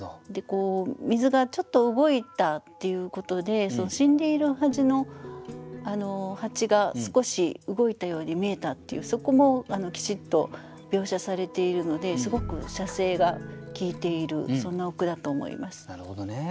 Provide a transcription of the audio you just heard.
水がちょっと動いたっていうことで死んでいるはずの蜂が少し動いたように見えたっていうそこもきちっと描写されているのですごく写生がきいているそんなお句だと思います。